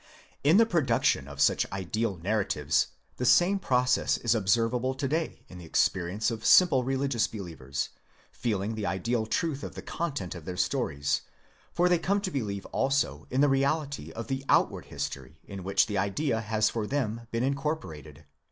| In the production of such ideal narratives the same process is observable to day in the experience of simple religious believers: feeling the ideal truth of the content of the stories, they come to believe also in the reality of the outward history in which the idea has for them been incorporated.